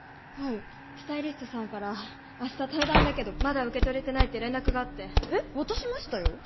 はいスタイリストさんから明日対談だけどまだ受け取れてないって連絡があってえっ渡しましたよ